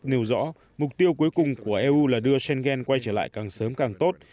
nêu rõ mục tiêu cuối cùng của eu là đưa schengen quay trở lại càng sớm càng tốt